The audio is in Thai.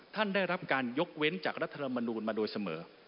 ได้รับการยกเว้นจากรัฐธรรมนูลมาโดยเสมอ